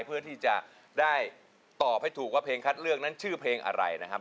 เพื่อที่จะได้ตอบให้ถูกว่าเพลงคัดเลือกนั้นชื่อเพลงอะไรนะครับ